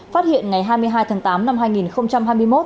phát hiện ngày hai mươi hai tháng tám năm hai nghìn hai mươi một